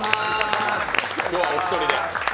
今日はお一人で。